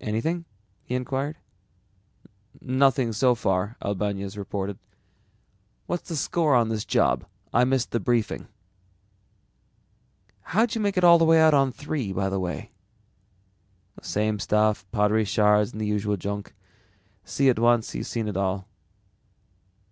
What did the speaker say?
"Anything?" he inquired. "Nothing so far," Albañez reported. "What's the score on this job? I missed the briefing." "How'd you make out on III, by the way?" "Same old stuff, pottery shards and the usual junk. See it once and you've seen it all."